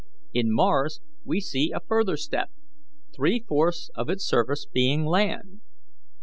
In Mars we see a further step, three fourths of its surface being land.